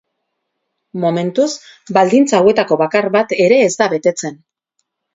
Momentuz, baldintza hauetako bakar bat ere ez da betetzen.